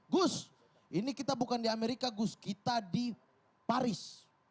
gus ini kita bukan di amerika gus kita di paris